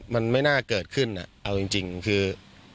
มันไม่น่าเกิดขึ้นเอาจริงคือ